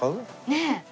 ねえ。